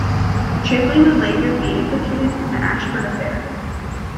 Chipley would later be implicated in the Ashburn affair.